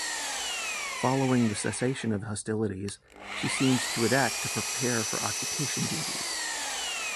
Following the cessation of hostilities, she steamed to Adak to prepare for occupation duties.